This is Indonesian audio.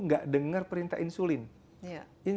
nggak dengar perintah insulin